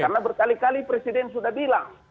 karena berkali kali presiden sudah bilang